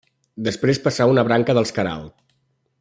Després passà a una branca dels Queralt.